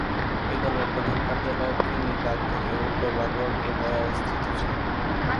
এই দলের প্রধান কার্যালয় ত্রিনিদাদ ও টোবাগোর কুভায় অবস্থিত।